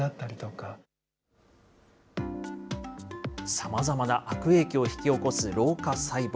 さまざまな悪影響を引き起こす老化細胞。